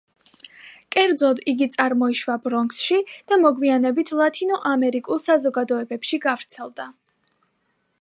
კერძოდ, იგი წარმოიშვა ბრონქსში და მოგვიანებით ლათინო ამერიკულ საზოგადოებებში გავრცელდა.